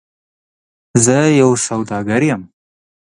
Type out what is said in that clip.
زه یو سوداګر یم .